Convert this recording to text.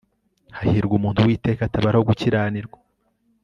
hahirwa umuntu uwiteka atabaraho gukiranirwa